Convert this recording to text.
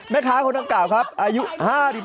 แม่ค้าคนดังกล่าวครับอายุ๕๓